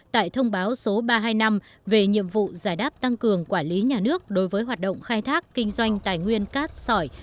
tại thông báo số ba trăm hai mươi năm về nhiệm vụ giải đáp tăng cường quản lý nhà nước đối với hoạt động khai thác kinh doanh tài nguyên cát sỏi